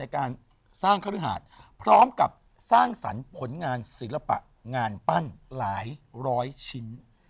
การสร้างคฤหาสพร้อมกับสร้างสรรค์ผลงานศิลปะงานปั้นหลายร้อยชิ้น